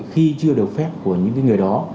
khi chưa được phép của những cái người đó